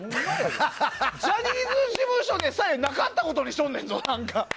ジャニーズ事務所でさえなかったことにしとんねんぞ！